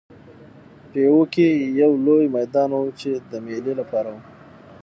پېوه کې یو لوی میدان و چې د مېلې لپاره و.